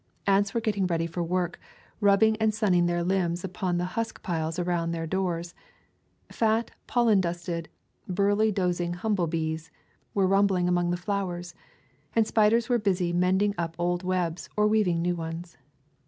Ants were getting ready for work, rubbing and sunning their limbs upon the husk piles around their doors; fat, pollen dusted, "burly, dozing humble bees" were rumbling among the flowers; and spiders were busy mending up old webs, or weaving new ones.